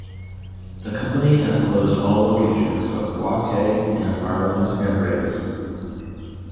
The company has closed all locations of Wok Hay and Marlin and Ray's.